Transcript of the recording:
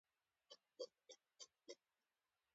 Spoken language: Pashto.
اووه ستوریز، دا ټول یې له سان ګبرېل څخه په غنیمت راوړي.